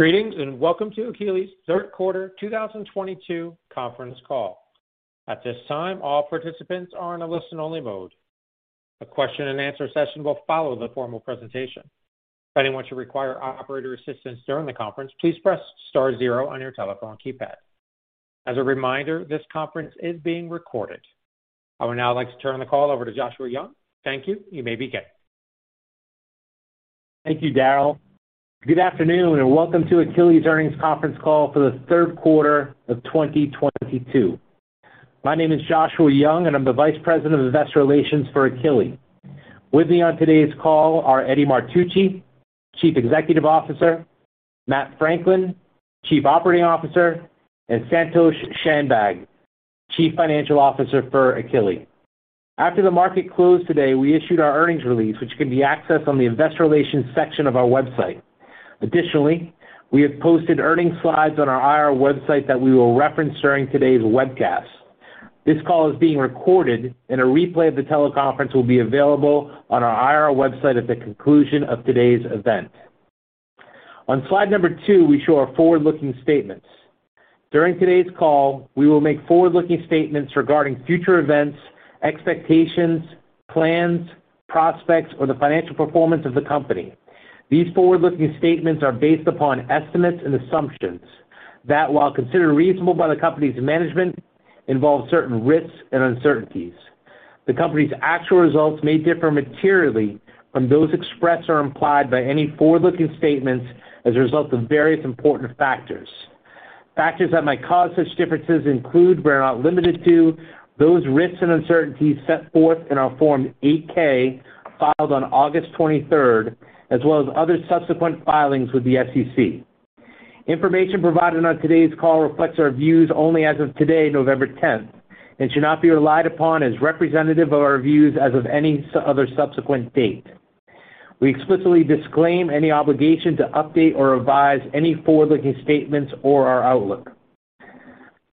Greetings, and welcome to Akili's Third Quarter 2022 Conference Call. At this time, all participants are in a listen-only mode. A question and answer session will follow the formal presentation. If anyone should require operator assistance during the conference, please press star zero on your telephone keypad. As a reminder, this conference is being recorded. I would now like to turn the call over to Joshua Young. Thank you. You may begin. Thank you, Daryl. Good afternoon, and welcome to Akili's earnings conference call for the third quarter of 2022. My name is Joshua Young, and I'm the Vice President of Investor Relations for Akili. With me on today's call are Eddie Martucci, Chief Executive Officer, Matt Franklin, Chief Operating Officer, and Santosh Shanbhag, Chief Financial Officer for Akili. After the market closed today, we issued our earnings release, which can be accessed on the investor relations section of our website. Additionally, we have posted earnings slides on our IR website that we will reference during today's webcast. This call is being recorded, and a replay of the teleconference will be available on our IR website at the conclusion of today's event. On slide number two, we show our forward-looking statements. During today's call, we will make forward-looking statements regarding future events, expectations, plans, prospects, or the financial performance of the company. These forward-looking statements are based upon estimates and assumptions that, while considered reasonable by the company's management, involve certain risks and uncertainties. The company's actual results may differ materially from those expressed or implied by any forward-looking statements as a result of various important factors. Factors that might cause such differences include, but are not limited to, those risks and uncertainties set forth in our Form 8-K filed on August 23, as well as other subsequent filings with the SEC. Information provided on today's call reflects our views only as of today, November 10, and should not be relied upon as representative of our views as of any other subsequent date. We explicitly disclaim any obligation to update or revise any forward-looking statements or our outlook.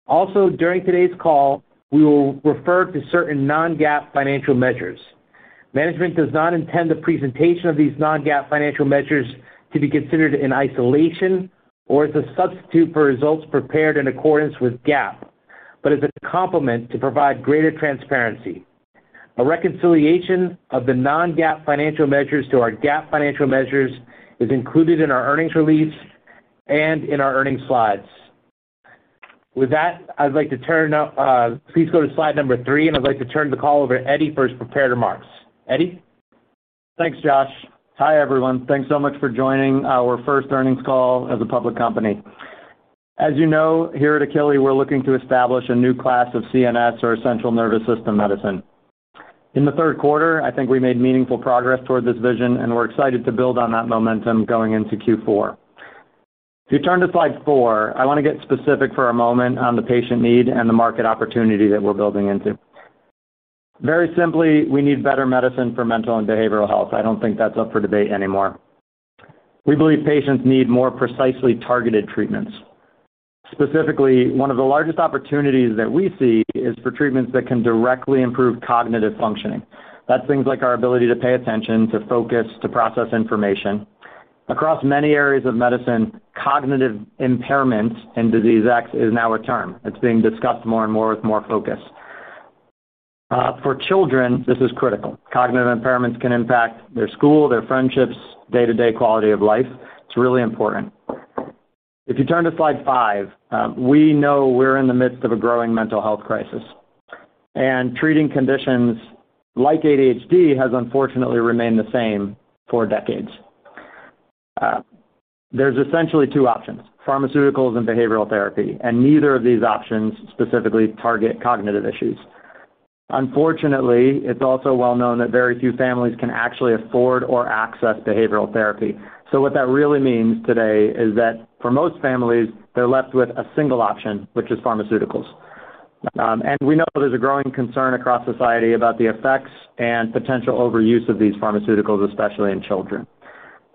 Also, during today's call, we will refer to certain non-GAAP financial measures. Management does not intend the presentation of these non-GAAP financial measures to be considered in isolation or as a substitute for results prepared in accordance with GAAP, but as a complement to provide greater transparency. A reconciliation of the non-GAAP financial measures to our GAAP financial measures is included in our earnings release and in our earnings slides. With that, please go to slide number three, and I'd like to turn the call over to Eddie for his prepared remarks. Eddie? Thanks, Josh. Hi, everyone. Thanks so much for joining our first earnings call as a public company. As you know, here at Akili, we're looking to establish a new class of CNS or central nervous system medicine. In the third quarter, I think we made meaningful progress toward this vision, and we're excited to build on that momentum going into Q4. If you turn to slide four, I want to get specific for a moment on the patient need and the market opportunity that we're building into. Very simply, we need better medicine for mental and behavioral health. I don't think that's up for debate anymore. We believe patients need more precisely targeted treatments. Specifically, one of the largest opportunities that we see is for treatments that can directly improve cognitive functioning. That's things like our ability to pay attention, to focus, to process information. Across many areas of medicine, cognitive impairment in disease X is now a term. It's being discussed more and more with more focus. For children, this is critical. Cognitive impairments can impact their school, their friendships, day-to-day quality of life. It's really important. If you turn to slide five, we know we're in the midst of a growing mental health crisis, and treating conditions like ADHD has unfortunately remained the same for decades. There's essentially two options, pharmaceuticals and behavioral therapy, and neither of these options specifically target cognitive issues. Unfortunately, it's also well known that very few families can actually afford or access behavioral therapy. What that really means today is that for most families, they're left with a single option, which is pharmaceuticals. We know there's a growing concern across society about the effects and potential overuse of these pharmaceuticals, especially in children.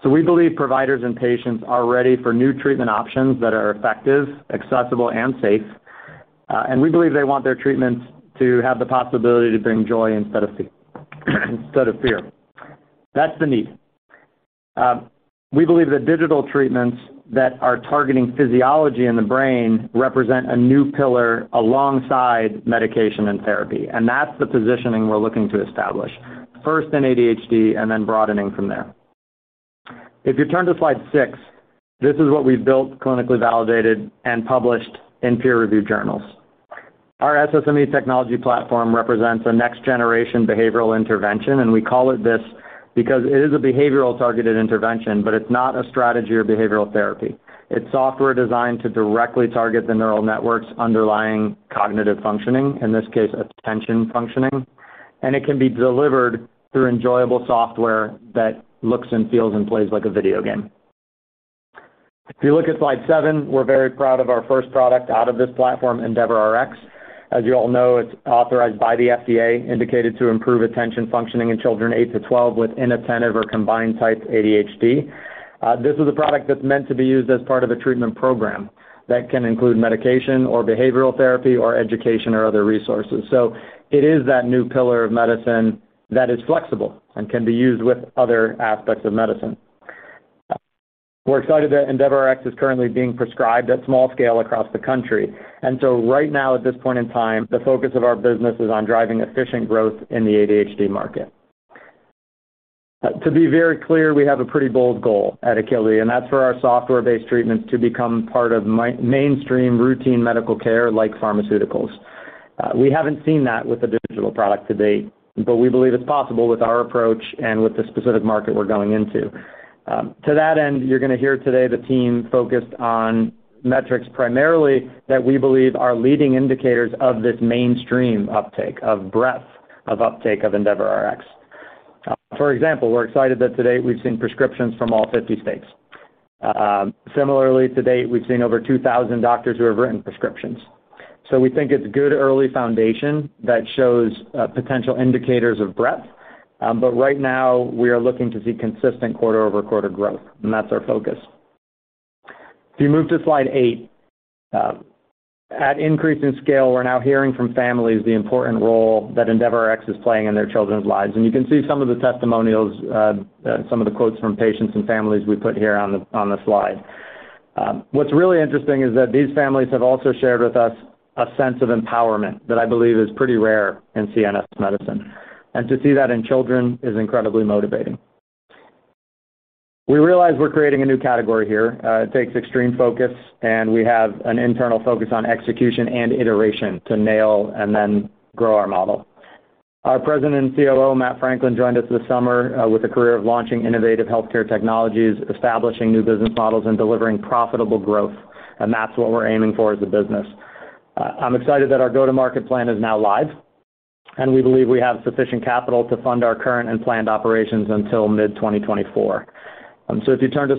We believe providers and patients are ready for new treatment options that are effective, accessible, and safe, and we believe they want their treatments to have the possibility to bring joy instead of fear. That's the need. We believe that digital treatments that are targeting physiology in the brain represent a new pillar alongside medication and therapy, and that's the positioning we're looking to establish, first in ADHD and then broadening from there. If you turn to slide six, this is what we've built, clinically validated, and published in peer-reviewed journals. Our SSME technology platform represents a next-generation behavioral intervention, and we call it this because it is a behavioral-targeted intervention, but it's not a strategy or behavioral therapy. It's software designed to directly target the neural networks underlying cognitive functioning, in this case, attention functioning, and it can be delivered through enjoyable software that looks and feels and plays like a video game. If you look at slide seven, we're very proud of our first product out of this platform, EndeavorRx. As you all know, it's authorized by the FDA, indicated to improve attention functioning in children eight to 12 with inattentive or combined type ADHD. This is a product that's meant to be used as part of a treatment program. That can include medication or behavioral therapy or education or other resources. It is that new pillar of medicine that is flexible and can be used with other aspects of medicine. We're excited that EndeavorRx is currently being prescribed at small scale across the country. Right now, at this point in time, the focus of our business is on driving efficient growth in the ADHD market. To be very clear, we have a pretty bold goal at Akili, and that's for our software-based treatments to become part of mainstream routine medical care like pharmaceuticals. We haven't seen that with a digital product to date, but we believe it's possible with our approach and with the specific market we're going into. To that end, you're gonna hear today the team focused on metrics primarily that we believe are leading indicators of this mainstream uptake, of breadth of uptake of EndeavorRx. For example, we're excited that to date we've seen prescriptions from all 50 states. Similarly, to date, we've seen over 2,000 doctors who have written prescriptions. We think it's good early foundation that shows potential indicators of breadth. Right now we are looking to see consistent quarter-over-quarter growth, and that's our focus. If you move to slide eight, at increasing scale, we're now hearing from families the important role that EndeavorRx is playing in their children's lives. You can see some of the testimonials, some of the quotes from patients and families we put here on the slide. What's really interesting is that these families have also shared with us a sense of empowerment that I believe is pretty rare in CNS medicine. To see that in children is incredibly motivating. We realize we're creating a new category here. It takes extreme focus, and we have an internal focus on execution and iteration to nail and then grow our model. Our President and COO, Matt Franklin, joined us this summer, with a career of launching innovative healthcare technologies, establishing new business models, and delivering profitable growth, and that's what we're aiming for as a business. I'm excited that our go-to-market plan is now live, and we believe we have sufficient capital to fund our current and planned operations until mid-2024. If you turn to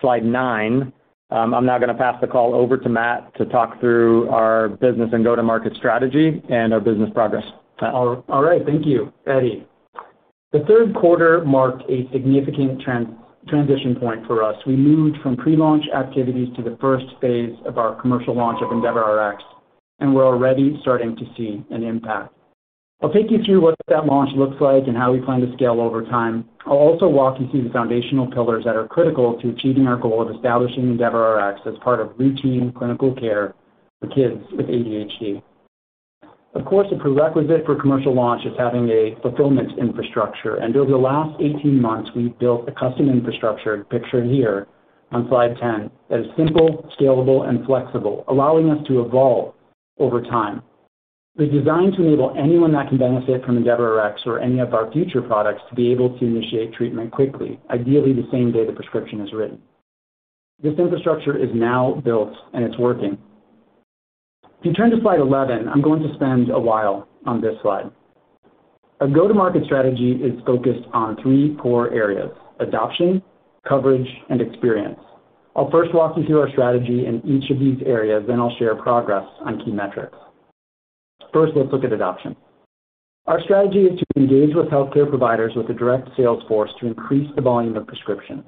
slide nine, I'm now gonna pass the call over to Matt to talk through our business and go-to-market strategy and our business progress. Matt. All right. Thank you, Eddie. The third quarter marked a significant transition point for us. We moved from pre-launch activities to the phase I of our commercial launch of EndeavorRx, and we're already starting to see an impact. I'll take you through what that launch looks like and how we plan to scale over time. I'll also walk you through the foundational pillars that are critical to achieving our goal of establishing EndeavorRx as part of routine clinical care for kids with ADHD. Of course, a prerequisite for commercial launch is having a fulfillment infrastructure. Over the last 18 months, we've built a custom infrastructure pictured here on slide 10 that is simple, scalable, and flexible, allowing us to evolve over time. It's designed to enable anyone that can benefit from EndeavorRx or any of our future products to be able to initiate treatment quickly, ideally the same day the prescription is written. This infrastructure is now built, and it's working. If you turn to slide 11, I'm going to spend a while on this slide. Our go-to-market strategy is focused on three core areas, adoption, coverage, and experience. I'll first walk you through our strategy in each of these areas, then I'll share progress on key metrics. First, let's look at adoption. Our strategy is to engage with healthcare providers with a direct sales force to increase the volume of prescriptions.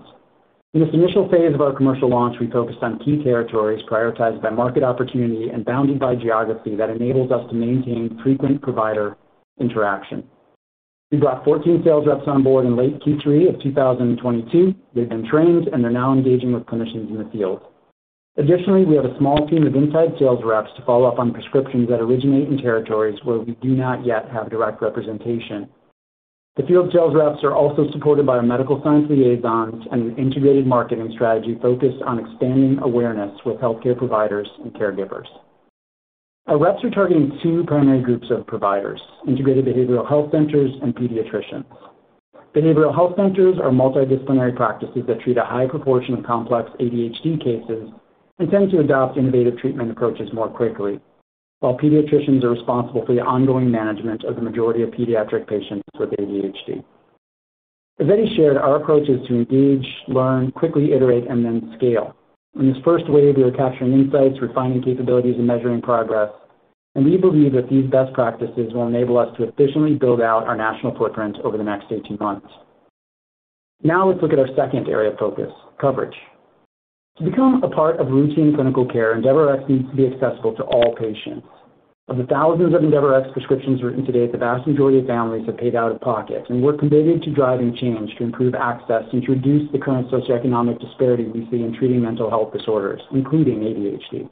In this initial phase of our commercial launch, we focused on key territories prioritized by market opportunity and bounded by geography that enables us to maintain frequent provider interaction. We brought 14 sales reps on board in late Q3 of 2022. They've been trained, and they're now engaging with clinicians in the field. Additionally, we have a small team of inside sales reps to follow up on prescriptions that originate in territories where we do not yet have direct representation. The field sales reps are also supported by our medical science liaisons and an integrated marketing strategy focused on expanding awareness with healthcare providers and caregivers. Our reps are targeting two primary groups of providers, integrated behavioral health centers and pediatricians. Behavioral health centers are multidisciplinary practices that treat a high proportion of complex ADHD cases and tend to adopt innovative treatment approaches more quickly. While pediatricians are responsible for the ongoing management of the majority of pediatric patients with ADHD. As Eddie shared, our approach is to engage, learn, quickly iterate, and then scale. In this first wave, we are capturing insights, refining capabilities, and measuring progress, and we believe that these best practices will enable us to efficiently build out our national footprint over the next 18 months. Now let's look at our second area of focus, coverage. To become a part of routine clinical care, EndeavorRx needs to be accessible to all patients. Of the thousands of EndeavorRx prescriptions written to date, the vast majority of families have paid out of pocket, and we're committed to driving change to improve access and to reduce the current socioeconomic disparity we see in treating mental health disorders, including ADHD.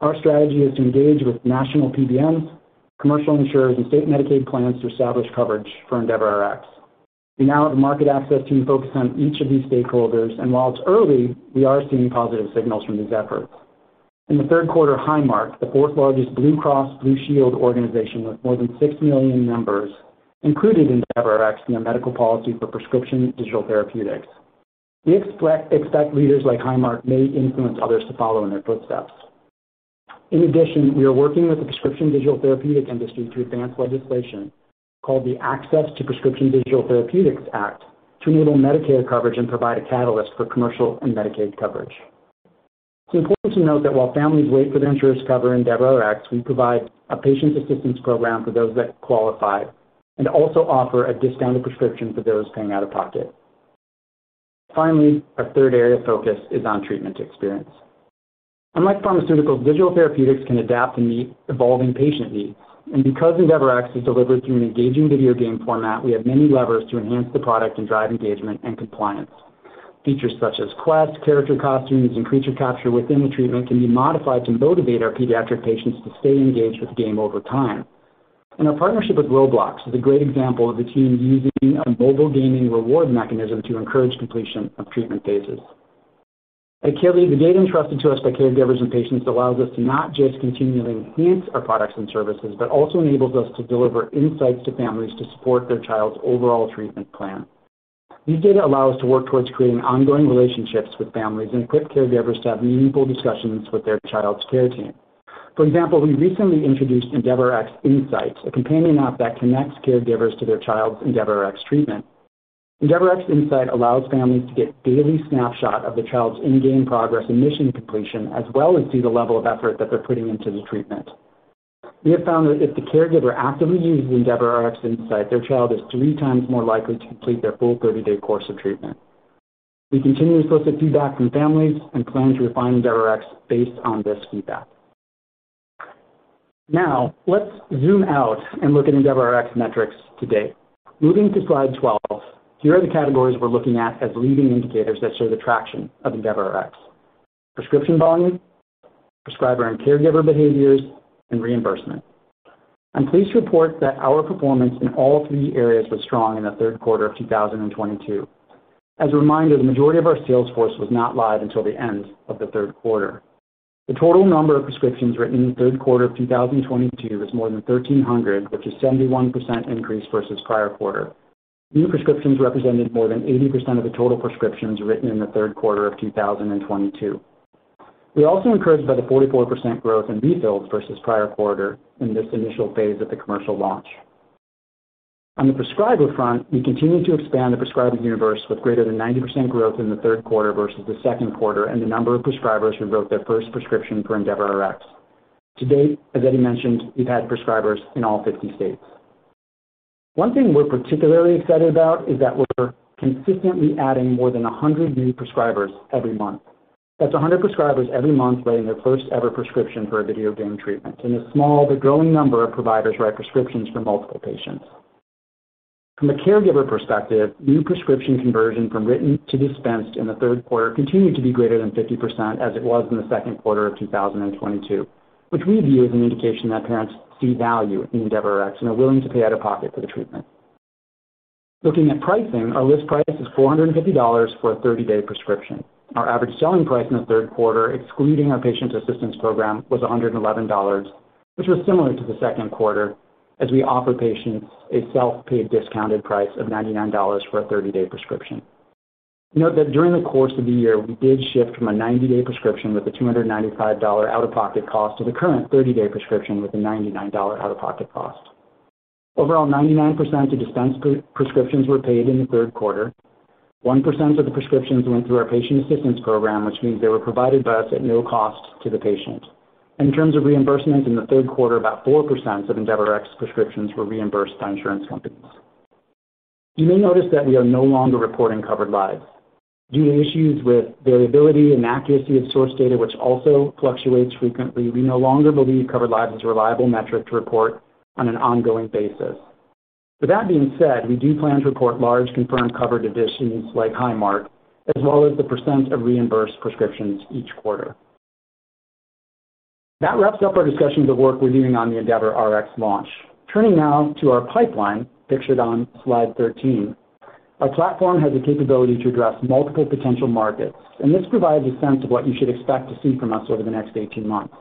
Our strategy is to engage with national PBMs, commercial insurers, and state Medicaid plans to establish coverage for EndeavorRx. We now have a market access team focused on each of these stakeholders, and while it's early, we are seeing positive signals from these efforts. In the third quarter, Highmark, the fourth-largest Blue Cross Blue Shield organization with more than 6 million members, included EndeavorRx in their medical policy for prescription digital therapeutics. We expect leaders like Highmark may influence others to follow in their footsteps. In addition, we are working with the prescription digital therapeutic industry to advance legislation called the Access to Prescription Digital Therapeutics Act to enable Medicare coverage and provide a catalyst for commercial and Medicaid coverage. It's important to note that while families wait for their insurance to cover EndeavorRx, we provide a patients' assistance program for those that qualify and also offer a discounted prescription for those paying out of pocket. Finally, our third area of focus is on treatment experience. Unlike pharmaceuticals, digital therapeutics can adapt and meet evolving patient needs. Because EndeavorRx is delivered through an engaging video game format, we have many levers to enhance the product and drive engagement and compliance. Features such as quests, character costumes, and creature capture within the treatment can be modified to motivate our pediatric patients to stay engaged with the game over time. Our partnership with Roblox is a great example of the team using a mobile gaming reward mechanism to encourage completion of treatment phases. At Akili, the data entrusted to us by caregivers and patients allows us to not just continually enhance our products and services, but also enables us to deliver insights to families to support their child's overall treatment plan. These data allow us to work towards creating ongoing relationships with families and equip caregivers to have meaningful discussions with their child's care team. For example, we recently introduced EndeavorRx Insight, a companion app that connects caregivers to their child's EndeavorRx treatment. EndeavorRx Insight allows families to get daily snapshot of their child's in-game progress and mission completion, as well as see the level of effort that they're putting into the treatment. We have found that if the caregiver actively uses EndeavorRx Insight, their child is 3x more likely to complete their full 30-day course of treatment. We continue to solicit feedback from families and plan to refine EndeavorRx based on this feedback. Now, let's zoom out and look at EndeavorRx metrics to date. Moving to slide 12, here are the categories we're looking at as leading indicators that show the traction of EndeavorRx. Prescription volume, prescriber and caregiver behaviors, and reimbursement. I'm pleased to report that our performance in all three areas was strong in the third quarter of 2022. As a reminder, the majority of our sales force was not live until the end of the third quarter. The total number of prescriptions written in the third quarter of 2022 was more than 1,300, which is 71% increase versus prior quarter. New prescriptions represented more than 80% of the total prescriptions written in the third quarter of 2022. We're also encouraged by the 44% growth in refills versus prior quarter in this initial phase of the commercial launch. On the prescriber front, we continue to expand the prescriber universe with greater than 90% growth in the third quarter versus the second quarter and the number of prescribers who wrote their first prescription for EndeavorRx. To date, as Eddie mentioned, we've had prescribers in all 50 states. One thing we're particularly excited about is that we're consistently adding more than 100 new prescribers every month. That's 100 prescribers every month writing their first ever prescription for a video game treatment, and a small but growing number of providers write prescriptions for multiple patients. From a caregiver perspective, new prescription conversion from written to dispensed in the third quarter continued to be greater than 50% as it was in the second quarter of 2022, which we view as an indication that parents see value in EndeavorRx and are willing to pay out-of-pocket for the treatment. Looking at pricing, our list price is $450 for a 30-day prescription. Our average selling price in the third quarter, excluding our patient assistance program, was $111, which was similar to the second quarter as we offer patients a self-paid discounted price of $99 for a thirty-day prescription. Note that during the course of the year, we did shift from a ninety-day prescription with a $295 out-of-pocket cost to the current thirty-day prescription with a $99 out-of-pocket cost. Overall, 99% of dispensed prescriptions were paid in the third quarter. 1% of the prescriptions went through our patient assistance program, which means they were provided by us at no cost to the patient. In terms of reimbursements in the third quarter, about 4% of EndeavorRx prescriptions were reimbursed by insurance companies. You may notice that we are no longer reporting covered lives. Due to issues with variability and accuracy of source data, which also fluctuates frequently, we no longer believe covered lives is a reliable metric to report on an ongoing basis. With that being said, we do plan to report large confirmed covered additions like Highmark, as well as the percent of reimbursed prescriptions each quarter. That wraps up our discussion of the work we're doing on the EndeavorRx launch. Turning now to our pipeline pictured on slide 13. Our platform has the capability to address multiple potential markets, and this provides a sense of what you should expect to see from us over the next 18 months.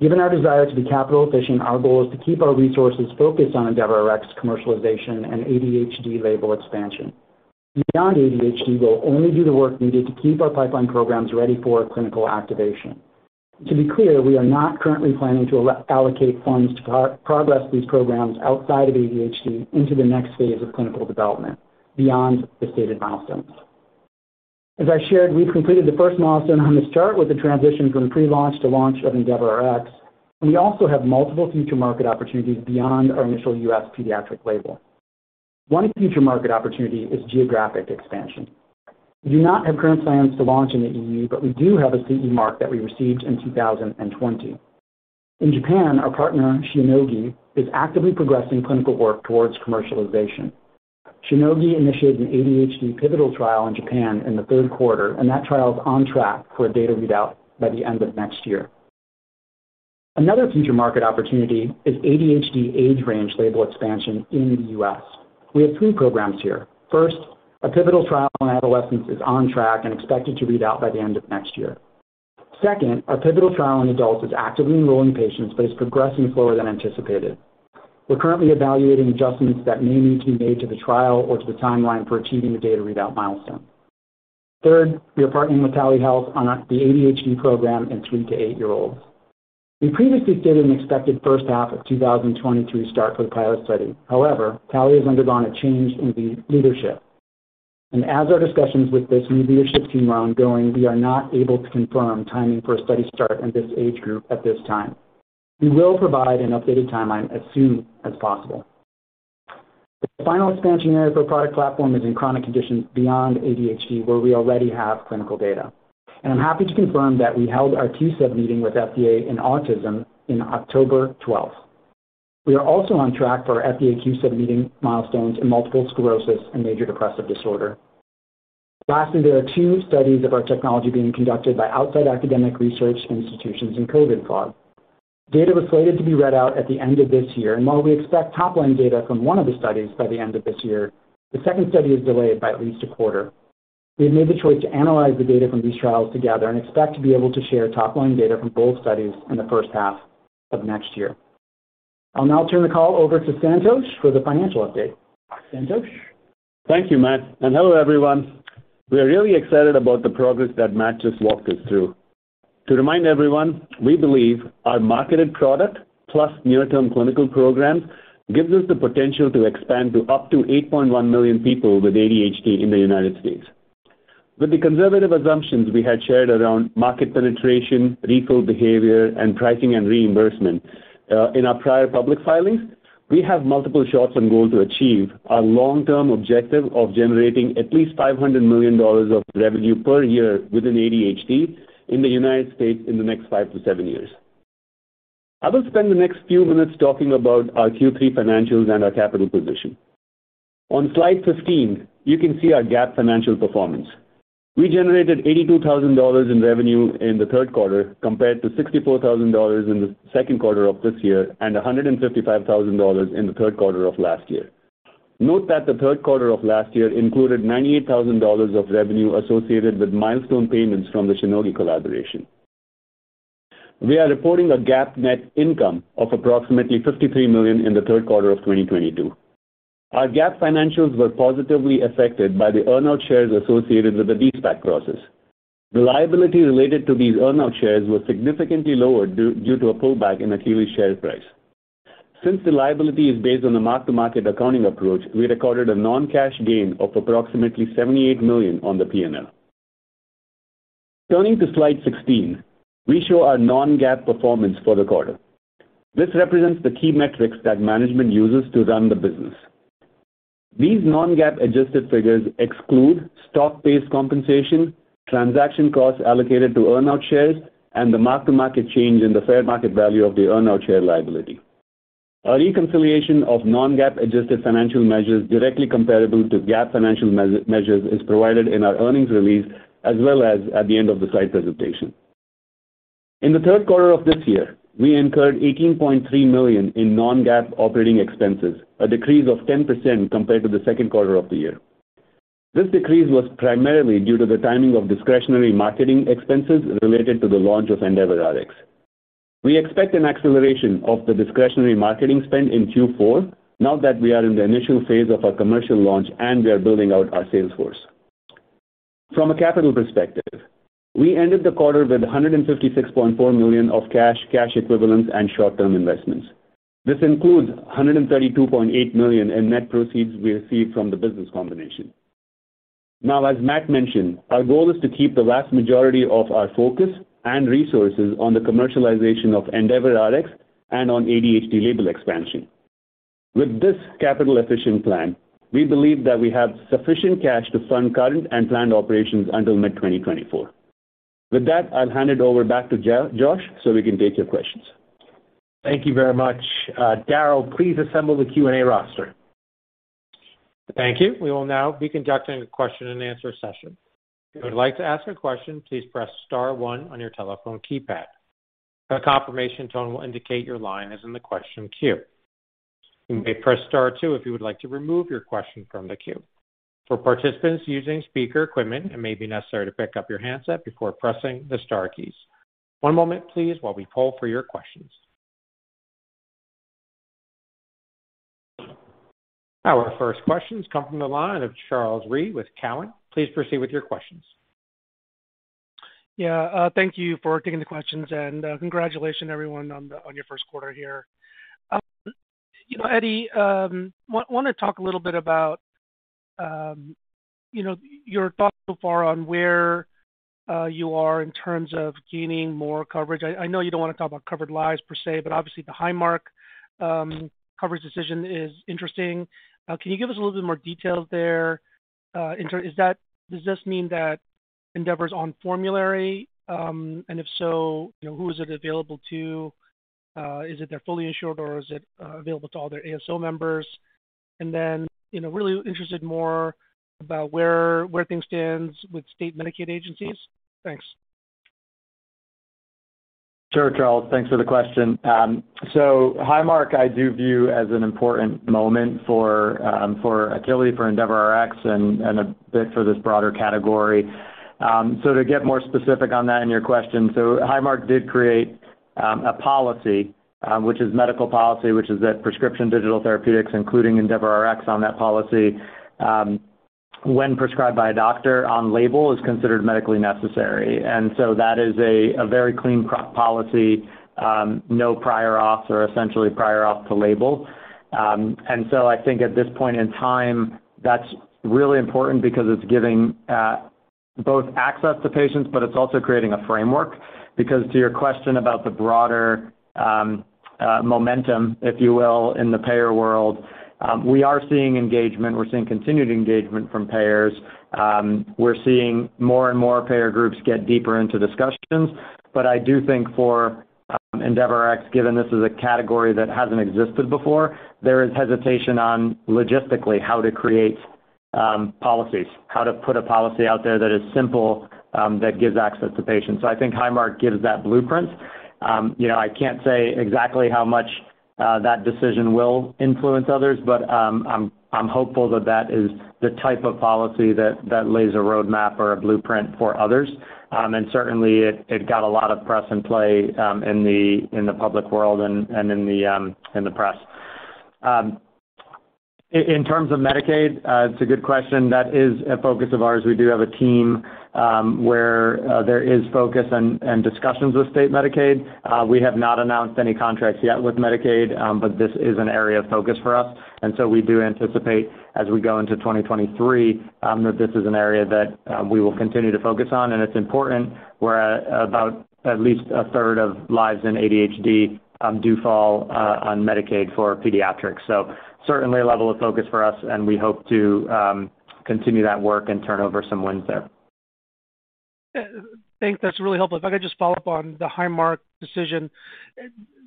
Given our desire to be capital efficient, our goal is to keep our resources focused on EndeavorRx commercialization and ADHD label expansion. Beyond ADHD, we'll only do the work needed to keep our pipeline programs ready for clinical activation. To be clear, we are not currently planning to reallocate funds to progress these programs outside of ADHD into the next phase of clinical development beyond the stated milestones. As I shared, we've completed the first milestone on this chart with the transition from pre-launch to launch of EndeavorRx, and we also have multiple future market opportunities beyond our initial U.S. pediatric label. One future market opportunity is geographic expansion. We do not have current plans to launch in the EU, but we do have a CE mark that we received in 2020. In Japan, our partner, Shionogi, is actively progressing clinical work towards commercialization. Shionogi initiated an ADHD pivotal trial in Japan in the third quarter, and that trial is on track for a data readout by the end of next year. Another future market opportunity is ADHD age range label expansion in the U.S. We have three programs here. First, our pivotal trial in adolescents is on track and expected to read out by the end of next year. Second, our pivotal trial in adults is actively enrolling patients, but is progressing slower than anticipated. We're currently evaluating adjustments that may need to be made to the trial or to the timeline for achieving the data readout milestone. Third, we are partnering with TALi Health on the ADHD program in three- to eight-year-olds. We previously stated an expected first half of 2023 start for the pilot study. However, TALi has undergone a change in leadership, and as our discussions with this new leadership team are ongoing, we are not able to confirm timing for a study start in this age group at this time. We will provide an updated timeline as soon as possible. The final expansion area for our product platform is in chronic conditions beyond ADHD, where we already have clinical data. I'm happy to confirm that we held our QSub meeting with FDA in autism in October 12. We are also on track for our FDA Q-Sub meeting milestones in multiple sclerosis and major depressive disorder. Lastly, there are two studies of our technology being conducted by outside academic research institutions in COVID brain fog. Data was slated to be read out at the end of this year, and while we expect top-line data from one of the studies by the end of this year, the second study is delayed by at least a quarter. We have made the choice to analyze the data from these trials together and expect to be able to share top-line data from both studies in the first half of next year. I'll now turn the call over to Santosh for the financial update. Santosh? Thank you, Matt, and hello, everyone. We are really excited about the progress that Matt just walked us through. To remind everyone, we believe our marketed product plus near-term clinical programs gives us the potential to expand to up to 8.1 million people with ADHD in the United States. With the conservative assumptions we had shared around market penetration, refill behavior, and pricing and reimbursement in our prior public filings, we have multiple shots on goal to achieve our long-term objective of generating at least $500 million of revenue per year within ADHD in the United States in the next five to seven years. I will spend the next few minutes talking about our Q3 financials and our capital position. On slide 15, you can see our GAAP financial performance. We generated $82,000 in revenue in the third quarter compared to $64,000 in the second quarter of this year and $155,000 in the third quarter of last year. Note that the third quarter of last year included $98,000 of revenue associated with milestone payments from the Shionogi collaboration. We are reporting a GAAP net income of approximately $53 million in the third quarter of 2022. Our GAAP financials were positively affected by the earn-out shares associated with the de-SPAC process. The liability related to these earn-out shares was significantly lower due to a pullback in Akili's share price. Since the liability is based on the mark-to-market accounting approach, we recorded a non-cash gain of approximately $78 million on the P&L. Turning to slide 16, we show our non-GAAP performance for the quarter. This represents the key metrics that management uses to run the business. These non-GAAP adjusted figures exclude stock-based compensation, transaction costs allocated to earn-out shares, and the mark-to-market change in the fair market value of the earn-out share liability. A reconciliation of non-GAAP adjusted financial measures directly comparable to GAAP financial measures is provided in our earnings release as well as at the end of the slide presentation. In the third quarter of this year, we incurred $18.3 million in non-GAAP operating expenses, a decrease of 10% compared to the second quarter of the year. This decrease was primarily due to the timing of discretionary marketing expenses related to the launch of EndeavorRx. We expect an acceleration of the discretionary marketing spend in Q4 now that we are in the initial phase of our commercial launch and we are building out our sales force. From a capital perspective, we ended the quarter with $156.4 million of cash equivalents, and short-term investments. This includes $132.8 million in net proceeds we received from the business combination. Now, as Matt mentioned, our goal is to keep the vast majority of our focus and resources on the commercialization of EndeavorRx and on ADHD label expansion. With this capital-efficient plan, we believe that we have sufficient cash to fund current and planned operations until mid-2024. With that, I'll hand it over back to Josh so we can take your questions. Thank you very much. Darryl, please assemble the Q&A roster. Thank you. We will now be conducting a question-and-answer session. If you would like to ask a question, please press star one on your telephone keypad. A confirmation tone will indicate your line is in the question queue. You may press star two if you would like to remove your question from the queue. For participants using speaker equipment, it may be necessary to pick up your handset before pressing the star keys. One moment please while we poll for your questions. Our first question comes from the line of Charles Rhyee with Cowen. Please proceed with your questions. Yeah. Thank you for taking the questions, and congratulations everyone on your first quarter here. You know, Eddie, wanna talk a little bit about, you know, your thoughts so far on where you are in terms of gaining more coverage. I know you don't wanna talk about covered lives per se, but obviously the Highmark coverage decision is interesting. Can you give us a little bit more details there? Does this mean that EndeavorRx's on formulary? And if so, you know, who is it available to? Is it their fully insured or is it available to all their ASO members? And then, you know, really more interested about where things stands with state Medicaid agencies. Thanks. Sure, Charles. Thanks for the question. Highmark I do view as an important moment for Akili, for EndeavorRx, and a bit for this broader category. To get more specific on that in your question, Highmark did create a policy, which is medical policy, which is that prescription digital therapeutics, including EndeavorRx on that policy, when prescribed by a doctor on label is considered medically necessary. That is a very clean policy, no prior auth or essentially prior auth to label. I think at this point in time, that's really important because it's giving both access to patients, but it's also creating a framework. To your question about the broader momentum, if you will, in the payer world, we are seeing engagement. We're seeing continued engagement from payers. We're seeing more and more payer groups get deeper into discussions. I do think for EndeavorRx, given this is a category that hasn't existed before, there is hesitation on logistically how to create policies, how to put a policy out there that is simple that gives access to patients. I think Highmark gives that blueprint. You know, I can't say exactly how much that decision will influence others, but I'm hopeful that is the type of policy that lays a roadmap or a blueprint for others. And certainly it got a lot of press and play in the public world and in the press. In terms of Medicaid, it's a good question. That is a focus of ours. We do have a team where there is focus and discussions with state Medicaid. We have not announced any contracts yet with Medicaid, but this is an area of focus for us. We do anticipate as we go into 2023 that this is an area that we will continue to focus on, and it's important where about at least a third of lives in ADHD do fall on Medicaid for pediatrics. Certainly a level of focus for us, and we hope to continue that work and turn over some wins there. Yeah. Thanks. That's really helpful. If I could just follow up on the Highmark decision.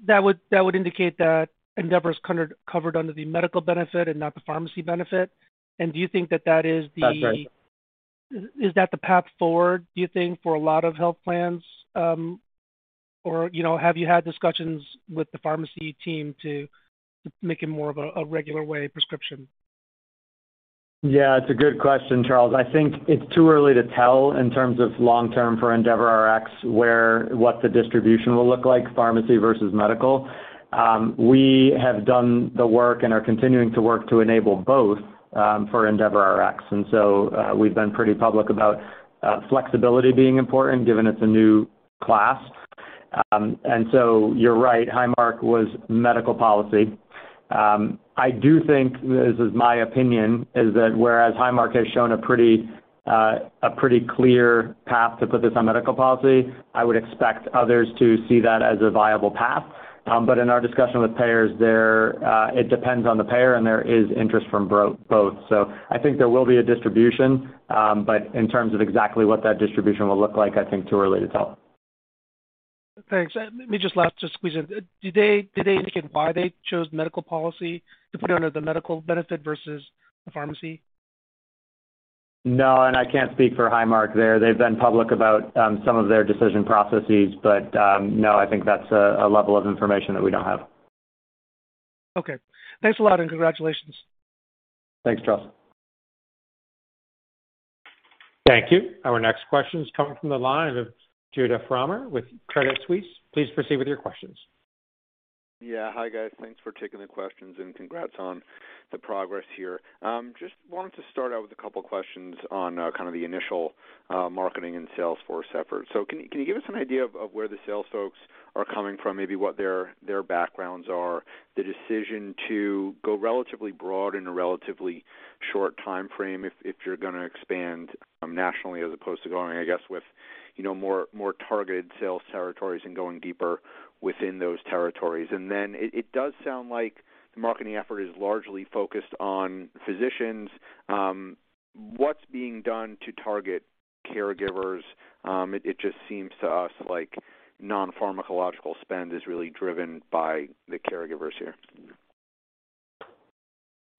That would indicate that Endeavor is covered under the medical benefit and not the pharmacy benefit. Do you think that is the- That's right. Is that the path forward, do you think, for a lot of health plans, or, you know, have you had discussions with the pharmacy team to make it more of a regular way prescription? Yeah, it's a good question, Charles. I think it's too early to tell in terms of long-term for EndeavorRx, what the distribution will look like, pharmacy versus medical. We have done the work and are continuing to work to enable both, for EndeavorRx. We've been pretty public about flexibility being important given it's a new class. You're right, Highmark was medical policy. I do think, this is my opinion, is that whereas Highmark has shown a pretty clear path to put this on medical policy, I would expect others to see that as a viable path. In our discussion with payers there, it depends on the payer, and there is interest from both.I think there will be a distribution, but in terms of exactly what that distribution will look like, I think too early to tell. Thanks. Let me just squeeze in last. Did they indicate why they chose medical policy to put it under the medical benefit versus the pharmacy? No, I can't speak for Highmark there. They've been public about some of their decision processes, but no, I think that's a level of information that we don't have. Okay. Thanks a lot and congratulations. Thanks, Charles. Thank you. Our next question is coming from the line of Judah Frommer with Credit Suisse. Please proceed with your questions. Yeah. Hi, guys. Thanks for taking the questions and congrats on the progress here. Just wanted to start out with a couple questions on kind of the initial marketing and sales force effort. Can you give us an idea of where the sales folks are coming from, maybe what their backgrounds are, the decision to go relatively broad in a relatively short timeframe if you're gonna expand nationally as opposed to going, I guess, with you know, more targeted sales territories and going deeper within those territories? It does sound like the marketing effort is largely focused on physicians. What's being done to target caregivers? It just seems to us like non-pharmacological spend is really driven by the caregivers here.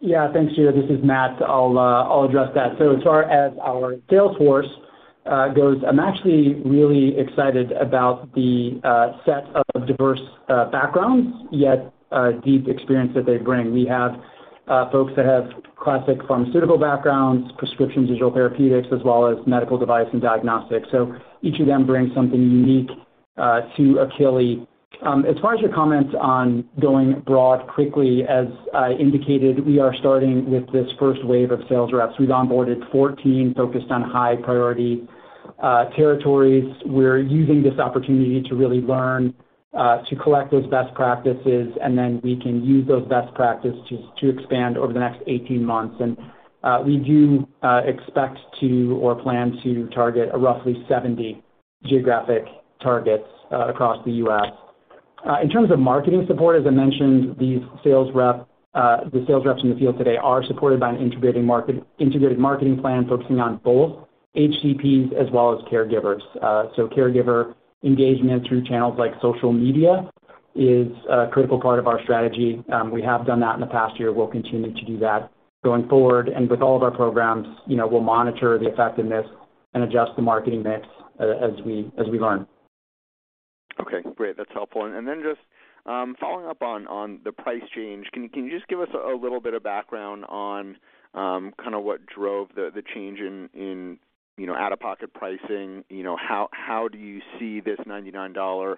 Yeah. Thanks, Judah. This is Matt. I'll address that. As far as our sales force goes, I'm actually really excited about the set of diverse backgrounds, yet deep experience that they bring. We have folks that have classic pharmaceutical backgrounds, prescription digital therapeutics, as well as medical device and diagnostics. Each of them brings something unique to Akili. As far as your comments on going broad quickly, as I indicated, we are starting with this first wave of sales reps. We've onboarded 14, focused on high-priority territories. We're using this opportunity to really learn to collect those best practices, and then we can use those best practices to expand over the next 18 months. We do expect to or plan to target roughly 70 geographic targets across the U.S. In terms of marketing support, as I mentioned, the sales reps in the field today are supported by an integrated marketing plan focusing on both HCPs as well as caregivers. Caregiver engagement through channels like social media is a critical part of our strategy. We have done that in the past year. We'll continue to do that going forward. With all of our programs, you know, we'll monitor the effectiveness and adjust the marketing mix as we learn. Okay, great. That's helpful. Just following up on the price change, can you just give us a little bit of background on kinda what drove the change in you know out-of-pocket pricing? You know, how do you see this $99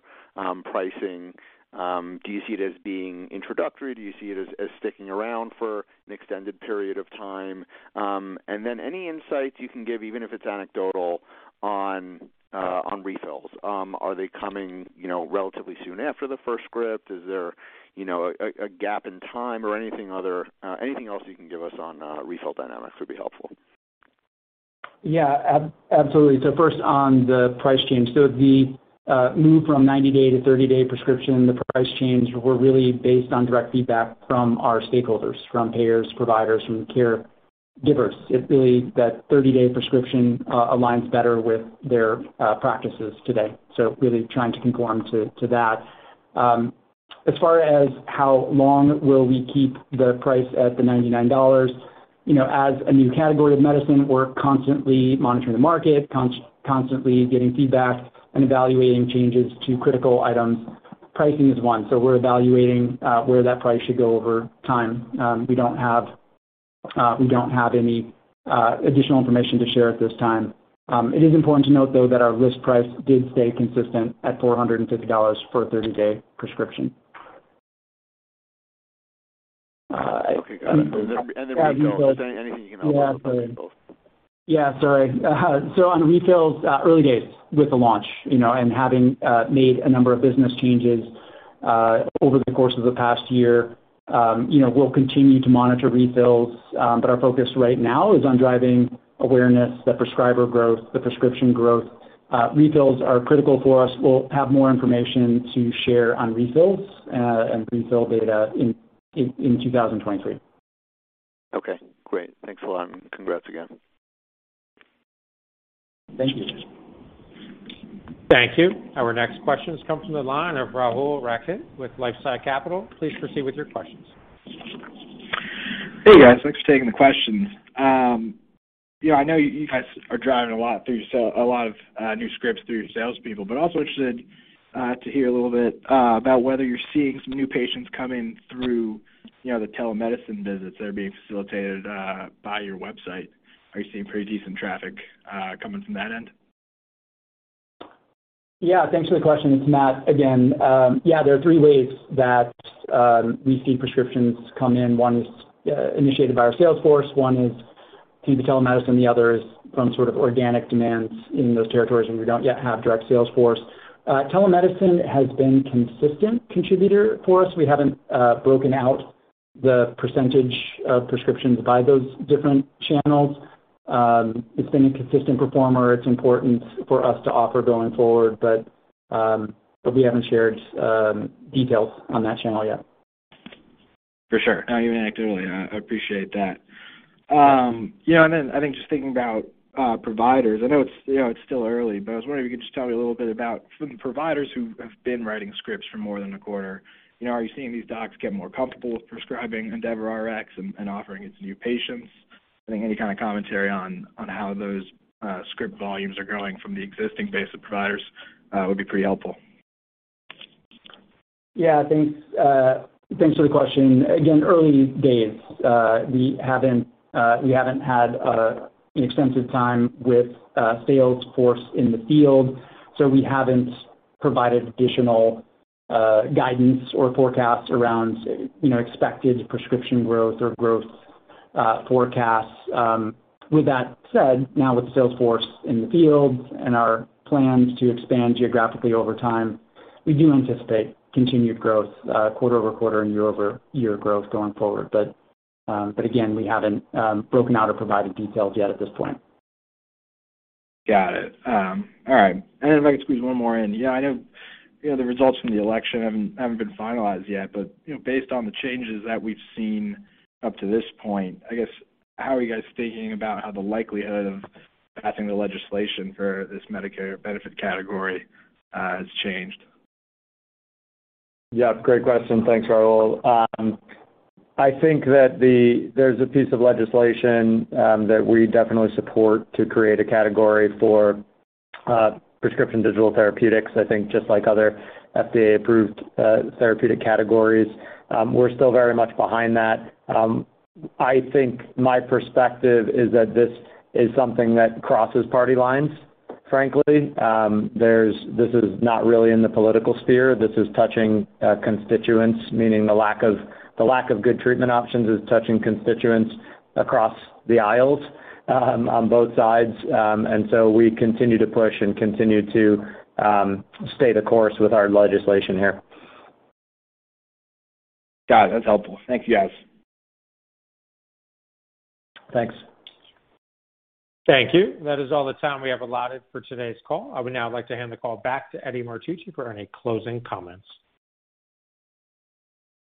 pricing? Do you see it as being introductory? Do you see it as sticking around for an extended period of time? And then any insights you can give, even if it's anecdotal. On refills. Are they coming, you know, relatively soon after the first script? Is there, you know, a gap in time or anything other, anything else you can give us on refill dynamics would be helpful? Yeah. Absolutely. First on the price change. The move from 90-day to 30-day prescription, the price change were really based on direct feedback from our stakeholders, from payers, providers, from caregivers. It's really that 30-day prescription aligns better with their practices today, so really trying to conform to that. As far as how long will we keep the price at the $99, you know, as a new category of medicine, we're constantly monitoring the market, constantly getting feedback and evaluating changes to critical items. Pricing is one, so we're evaluating where that price should go over time. We don't have any additional information to share at this time. It is important to note, though, that our list price did stay consistent at $450 for a 30-day prescription. Okay, got it. Refills. Is there anything you can add on refills? Yeah, sorry. On refills, early days with the launch, you know, and having made a number of business changes over the course of the past year, you know, we'll continue to monitor refills, but our focus right now is on driving awareness, the prescriber growth, the prescription growth. Refills are critical for us. We'll have more information to share on refills and refill data in 2023. Okay, great. Thanks a lot and congrats again. Thank you. Thank you. Our next question comes from the line of Rahul Rakhit with LifeSci Capital. Please proceed with your questions. Hey, guys. Thanks for taking the questions. You know, I know you guys are driving a lot of new scripts through your salespeople, but also interested to hear a little bit about whether you're seeing some new patients coming through, you know, the telemedicine visits that are being facilitated by your website. Are you seeing pretty decent traffic coming from that end? Yeah. Thanks for the question. It's Matt again. Yeah, there are three ways that we see prescriptions come in. One is initiated by our sales force, one is through the telemedicine, the other is from sort of organic demands in those territories where we don't yet have direct sales force. Telemedicine has been consistent contributor for us. We haven't broken out the percentage of prescriptions by those different channels. It's been a consistent performer. It's important for us to offer going forward. But we haven't shared details on that channel yet. For sure. No, you mentioned earlier. I appreciate that. You know, and then I think just thinking about providers, I know it's, you know, it's still early, but I was wondering if you could just tell me a little bit about some providers who have been writing scripts for more than a quarter. You know, are you seeing these docs get more comfortable with prescribing EndeavorRx and offering it to new patients? I think any kind of commentary on how those script volumes are growing from the existing base of providers would be pretty helpful. Yeah. Thanks for the question. Again, early days. We haven't had an extensive time with sales force in the field, so we haven't provided additional guidance or forecasts around, you know, expected prescription growth or growth forecasts. With that said, now with sales force in the field and our plans to expand geographically over time, we do anticipate continued growth, quarter-over-quarter and year-over-year growth going forward. Again, we haven't broken out or provided details yet at this point. Got it. All right. If I could squeeze one more in. Yeah, I know, you know, the results from the election haven't been finalized yet, but, you know, based on the changes that we've seen up to this point, I guess, how are you guys thinking about how the likelihood of passing the legislation for this Medicare benefit category has changed? Yeah, great question. Thanks, Rahul. I think that there's a piece of legislation that we definitely support to create a category for prescription digital therapeutics, I think just like other FDA-approved therapeutic categories. We're still very much behind that. I think my perspective is that this is something that crosses party lines, frankly. This is not really in the political sphere. This is touching constituents, meaning the lack of good treatment options is touching constituents across the aisles on both sides. We continue to push and continue to stay the course with our legislation here. Got it. That's helpful. Thank you, guys. Thanks. Thank you. That is all the time we have allotted for today's call. I would now like to hand the call back to Eddie Martucci for any closing comments.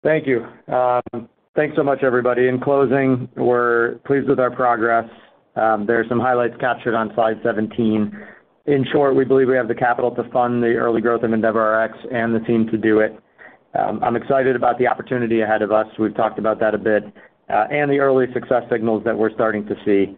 Thank you. Thanks so much, everybody. In closing, we're pleased with our progress. There are some highlights captured on slide 17. In short, we believe we have the capital to fund the early growth of EndeavorRx and the team to do it. I'm excited about the opportunity ahead of us, we've talked about that a bit, and the early success signals that we're starting to see.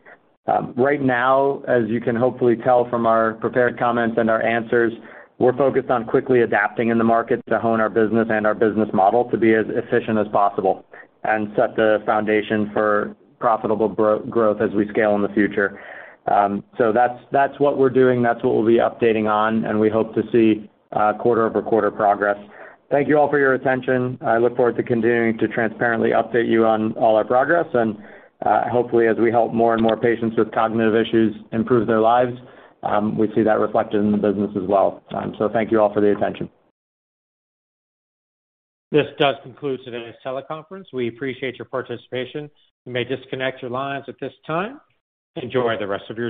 Right now, as you can hopefully tell from our prepared comments and our answers, we're focused on quickly adapting in the market to hone our business and our business model to be as efficient as possible and set the foundation for profitable growth as we scale in the future. So that's what we're doing, that's what we'll be updating on, and we hope to see quarter-over-quarter progress. Thank you all for your attention. I look forward to continuing to transparently update you on all our progress. Hopefully, as we help more and more patients with cognitive issues improve their lives, we see that reflected in the business as well. Thank you all for the attention. This does conclude today's teleconference. We appreciate your participation. You may disconnect your lines at this time. Enjoy the rest of your day.